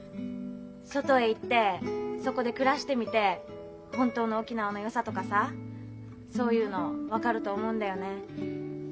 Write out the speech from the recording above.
外へ行ってそこで暮らしてみて本当の沖縄のよさとかさそういうの分かると思うんだよね。